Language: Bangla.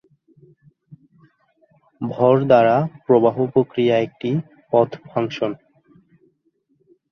ভর দ্বারা প্রবাহ প্রক্রিয়া একটি পথ ফাংশন।